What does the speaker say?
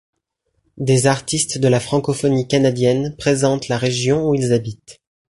Des artistes de la francophonie canadienne présentent la région où ils habitent.